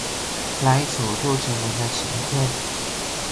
来一首周杰伦的晴天